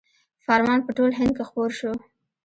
فرمان په ټول هند کې خپور شو.